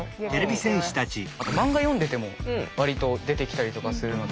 あと漫画読んでても割と出てきたりとかするので。